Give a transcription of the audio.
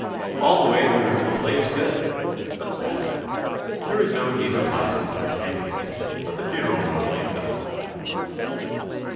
All the way through the play is good, but sad. There is no divertisement or tank in it, but the funeral more than makes up for all that.